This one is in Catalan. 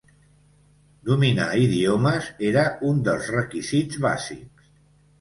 Dominar idiomes era un dels requisits bàsics.